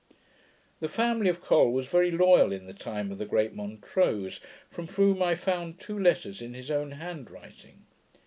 The family of Col was very loyal in the time of the great Montrose, from whom I found two letters in his own hand writing.